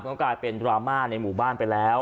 ก็กลายเป็นดราม่าในหมู่บ้านไปแล้ว